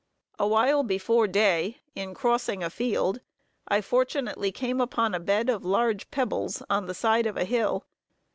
Awhile before day, in crossing a field, I fortunately came upon a bed of large pebbles, on the side of a hill.